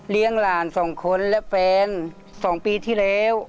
เลี้ยงหลาน๒คนและแฟน๒ปีที่แล้ว